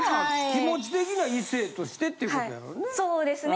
気持ち的には異性としてっていうことやろね。